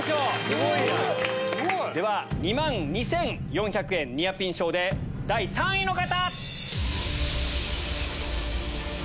すごいな！では２万２４００円ニアピン賞で第３位の方！